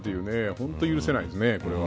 本当に許せないですね、これは。